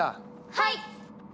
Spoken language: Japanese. はい！